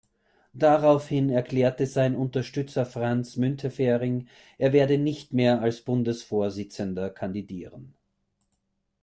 Daraufhin erklärte sein Unterstützer Franz Müntefering, er werde nicht mehr als Bundesvorsitzender kandidieren.